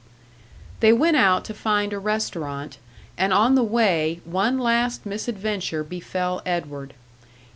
They went out to find a restaurant, and on the way one last misadventure befell Edward.